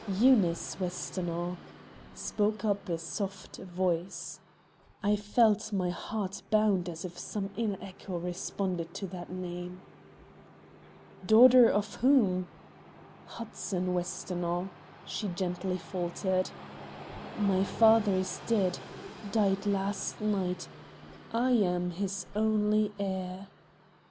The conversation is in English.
"Eunice Westonhaugh," spoke up a soft voice. I felt my heart bound as if some inner echo responded to that name. "Daughter of whom?" "Hudson Westonhaugh," she gently faltered. "My father is dead died last night; I am his only heir."